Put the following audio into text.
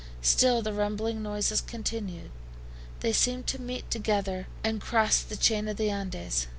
Still the rumbling noises continued. They seemed to meet together and cross the chain of the Andes.